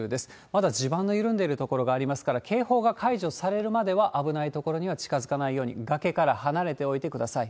まだ地盤の緩んでいる所がありますから、警報が解除されるまでは、危ない所には近づかないように、崖から離れておいてください。